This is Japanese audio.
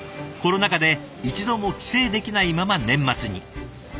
コロナ禍で一度も帰省できないまま年末に。